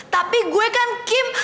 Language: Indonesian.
tapi gue kan kim